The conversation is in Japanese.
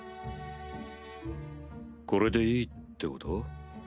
これでいいってこと？